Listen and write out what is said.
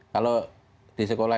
kalau di sekolah